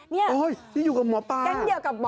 นี่อยู่กับหมอปลา